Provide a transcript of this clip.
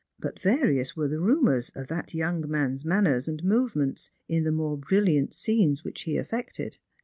Put various were the rumours of that young man's manners and movements in the more brilliant scenes which he affected.